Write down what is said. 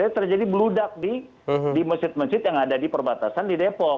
terjadi bludak di masjid masjid yang ada di perbatasan di depok